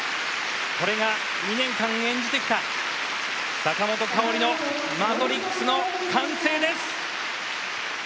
これが２年間演じてきた坂本花織の『マトリックス』の完成です！